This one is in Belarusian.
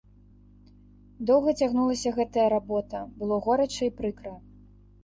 Доўга цягнулася гэтая работа, было горача і прыкра.